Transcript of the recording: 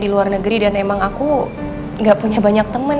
di luar negeri dan emang aku gak punya banyak temen